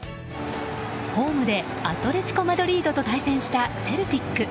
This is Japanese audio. ホームでアトレチコ・マドリードと対戦したセルティック。